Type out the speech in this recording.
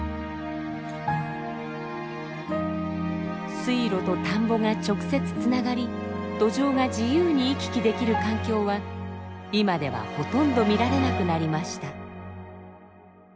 水路と田んぼが直接つながりドジョウが自由に行き来できる環境は今ではほとんど見られなくなりました。